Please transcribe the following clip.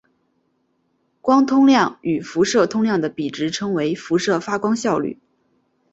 光通量与辐射通量的比值称为辐射发光效率。